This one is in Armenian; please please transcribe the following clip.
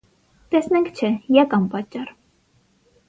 - Տեսնենք չէ, եկ անպատճառ: